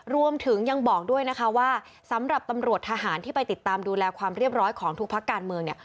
รวมถึงยังบอกด้วยนะคะว่าสำหรับตำรวจทหารที่ไปติดตามดูแลความเรียบร้อยของทุกพักการเมืองเนี่ย